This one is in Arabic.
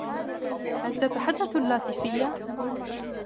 هل تتحدث اللاتفية؟